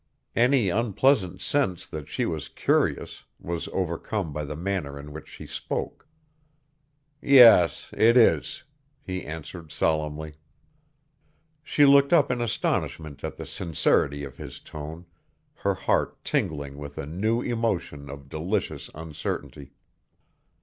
Any unpleasant sense that she was curious was overcome by the manner in which she spoke. "Yes, it is," he answered solemnly. She looked up in astonishment at the sincerity of his tone, her heart tingling with a new emotion of delicious uncertainty.